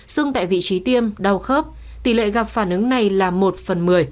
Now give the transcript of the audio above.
sưng tại vị trí tiêm đau khớp tỷ lệ gặp phản ứng này là một phần một mươi